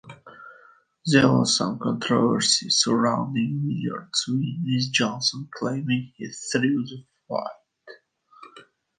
There was some controversy surrounding Willard's win, with Johnson claiming he threw the fight.